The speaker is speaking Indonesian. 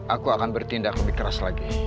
aku akan bertindak lebih keras lagi